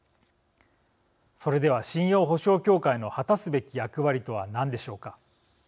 それでは信用保証協会の果たすべき役割とは何でしょうか。